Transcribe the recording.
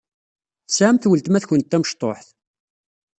Tesɛamt weltma-tkent tamecṭuḥt?